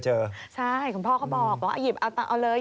ใช่ก่อนพ่อก็บอกเอาเลย